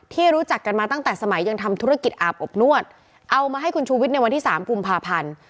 รู้จักกันมาตั้งแต่สมัยยังทำธุรกิจอาบอบนวดเอามาให้คุณชูวิทย์ในวันที่สามกุมภาพันธ์